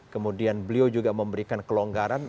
kemudian beliau juga memberikan kelonggaran